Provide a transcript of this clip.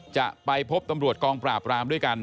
จะไปพบตำรวจกองปราบรามด้วยกัน